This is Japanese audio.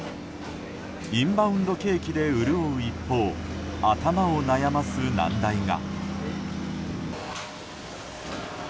インバウンド景気で潤う一方頭を悩ます難題が。